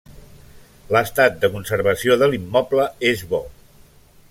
L'estat de conservació de l'immoble és bo.